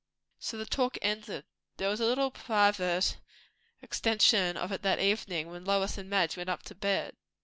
So the talk ended. There was a little private extension of it that evening, when Lois and Madge went up to bed.